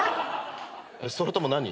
それとも何？